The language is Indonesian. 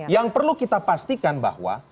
yang perlu kita pastikan bahwa